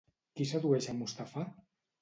Qui sedueix a Mustafà?